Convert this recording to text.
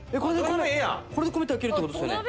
これで米炊けるってことですね。